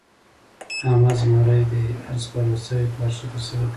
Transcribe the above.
احمد زمری دی؛ هر سپارل شوی کار ښه ترسره کوي.